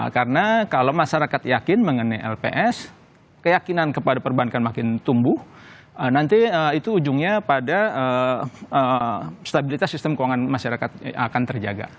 karena kalau masyarakat yakin mengenai lps keyakinan kepada perbankan makin tumbuh nanti itu ujungnya pada stabilitas sistem keuangan masyarakat akan terjaga